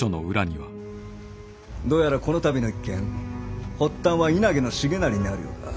どうやらこの度の一件発端は稲毛重成にあるようだ。